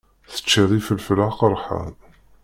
Teččiḍ ifelfel aqeṛḥan.